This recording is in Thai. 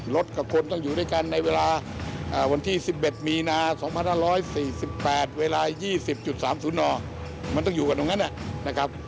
กับคนต้องอยู่ด้วยกันในเวลาวันที่๑๑มีนา๒๕๔๘เวลา๒๐๓๐นมันต้องอยู่กันตรงนั้นนะครับ